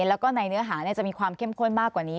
แล้วก็ในเนื้อหาจะมีความเข้มข้นมากกว่านี้